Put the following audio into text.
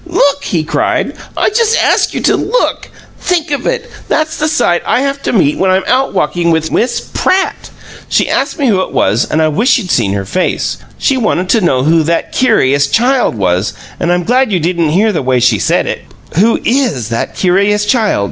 "LOOK!" he cried. "I just ask you to look! Think of it: that's the sight I have to meet when I'm out walking with Miss PRATT! She asked me who it was, and I wish you'd seen her face. She wanted to know who 'that curious child' was, and I'm glad you didn't hear the way she said it. 'Who IS that curious child?'